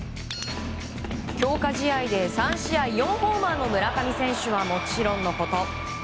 強化試合で３試合４ホーマーの村上選手はもちろんのこと